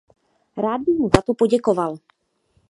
Rád bych mu za to poděkoval.